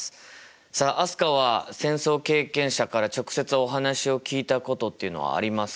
さあ飛鳥は戦争経験者から直接お話を聞いたことっていうのはありますか？